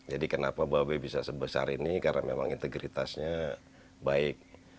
jadi kenapa bab bisa sebesar ini karena memang integritasnya baik